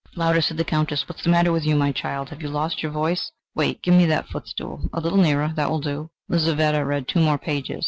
"Louder," said the Countess. "What is the matter with you, my child? Have you lost your voice? Wait give me that footstool a little nearer that will do." Lizaveta read two more pages.